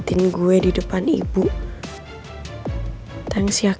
mereka berdasarkan characternya secretary sayang